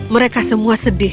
mereka semua sedih